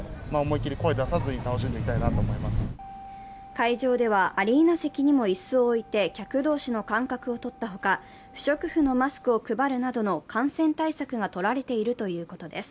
会場ではアリーナ席にも椅子を置いて、客同士の間隔をとったほか、不織布のマスクを配るなどの感染対策が取られているということです。